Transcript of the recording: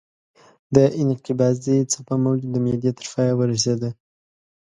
د انقباضي څپه موج د معدې تر پایه ورسېده.